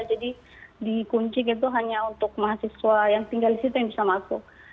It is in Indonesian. jadi di kunci gitu hanya untuk mahasiswa yang tinggal di situ yang bisa masuk